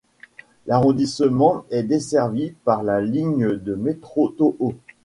L'arrondissement est desservi par la ligne de métro Tōhō.